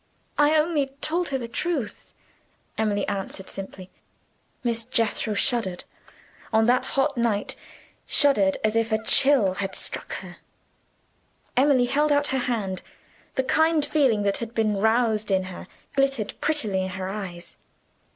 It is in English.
"I only told her the truth," Emily answered simply. Miss Jethro shuddered on that hot night! shuddered as if a chill had struck her. Emily held out her hand; the kind feeling that had been roused in her glittered prettily in her eyes.